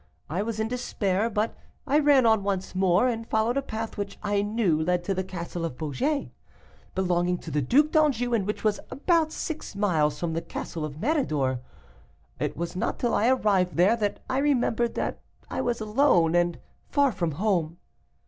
I was in despair, but I ran on once more and followed a path which I knew led to the castle of Beaugé. belonging to the Duc d'Anjou, and which was about six miles from the castle of Méridor. It was not till I arrived there that I remembered that I was alone, and far from home.